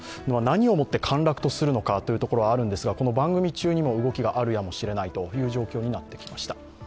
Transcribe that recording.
何をもって陥落とするのかというところもありますがこの番組中にも動きがあるやもしれないという状況になってきました。